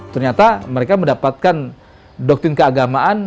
ternyata mereka mendapatkan doktrin keagamaan